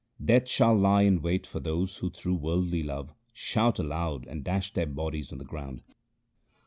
Death shall lie in wait for those who through worldly love Shout aloud and dash their bodies on the ground.